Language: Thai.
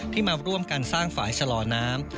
มาร่วมกันสร้างฝ่ายชะลอน้ำ